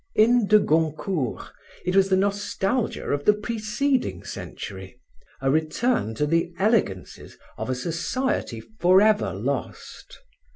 In de Goncourt, it was the nostalgia of the preceding century, a return to the elegances of a society forever lost.